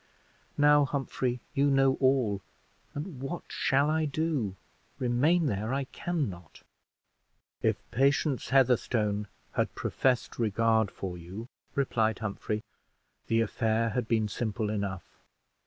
"Now, Humphrey, you know all; and what shall I do? remain there I can not!" "If Patience Heatherstone had professed regard for you," replied Humphrey, "the affair had been simple enough.